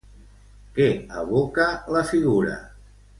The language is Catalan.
Què evoca, la figura?